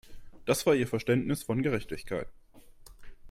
Das war ihr Verständnis von Gerechtigkeit.